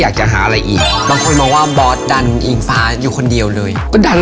ถ้าเขามองใครด้วยสายตาสนุกสนาน